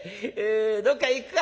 どっか行くか？